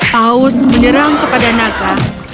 paus menyerang kepada naga